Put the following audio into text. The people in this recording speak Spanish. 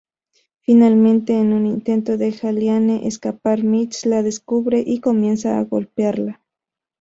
Finalmente en un intento de Julianne escapar, Mitch la descubre y comienza a golpearla.